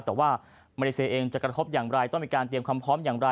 แต่ว่ามาเลเซียเองจะกระทบอย่างไรต้องมีการเตรียมความพร้อมอย่างไร